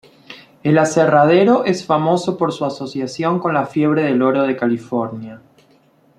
El aserradero es famoso por su asociación con la fiebre del oro de California.